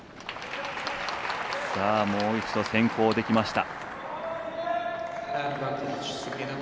もう一度、先行できました。